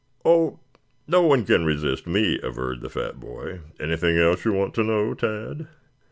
"Oh, no one can resist me," averred the fat boy. "Anything else you want to know, Tad?"